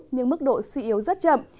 nhưng mức độ suy yếu rất chậm